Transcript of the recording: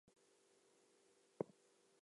A German noble line still exists.